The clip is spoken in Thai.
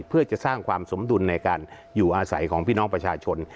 เพื่อจะสร้างความสมดุลในการอยู่อาศัยของพี่น้องประชาชน